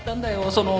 その。